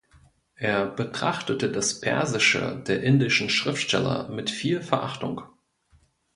Er betrachtete das Persische der indischen Schriftsteller mit viel Verachtung.